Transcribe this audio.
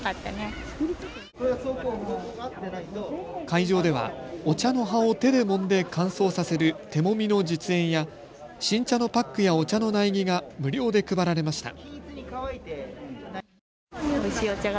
会場では、お茶の葉を手でもんで乾燥させる手もみの実演や新茶のパックやお茶の苗木が無料で配られました。